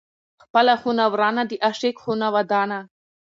ـ خپله خونه ورانه، د عاشق خونه ودانه.